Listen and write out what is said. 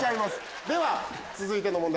では続いての問題